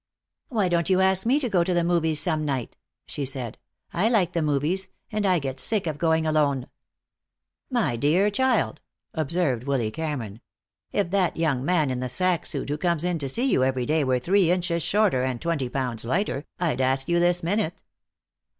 "Why don't you ask me to go to the movies some night?" she said. "I like the movies, and I get sick of going alone." "My dear child," observed Willy Cameron, "if that young man in the sack suit who comes in to see you every day were three inches shorter and twenty pounds lighter, I'd ask you this minute."